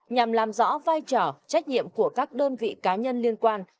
nhằm làm rõ vai trò trách nhiệm của các đơn vị cá nhân liên quan